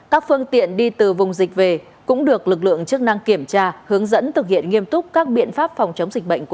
các phương tiện đi từ vùng dịch về cũng được lực lượng chức năng kiểm tra hướng dẫn thực hiện nghiêm túc các biện pháp phòng chống dịch bệnh covid một mươi chín